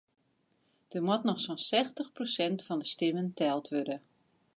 Der moat noch sa'n sechstich prosint fan de stimmen teld wurde.